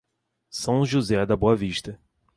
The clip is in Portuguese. São José da Boa Vista